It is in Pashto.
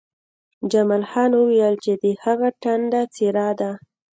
جمال خان وویل چې د هغه ټنډه څیرې ده